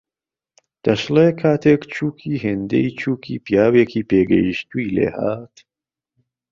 دەشڵێ کاتێک چووکی هێندەی چووکی پیاوێکی پێگەیشتووی لێهات